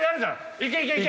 いけいけいけ。